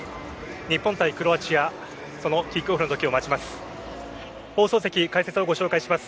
日本対クロアチアそのキックオフの時を待ちます。